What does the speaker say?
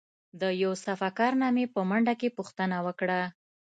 له یو صفاکار نه مې په منډه کې پوښتنه وکړه.